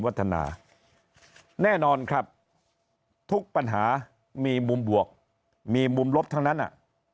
แน่นอนครับทุกปัญหามีมุมบวกมีมุมลบทั้งนั้นอ่ะ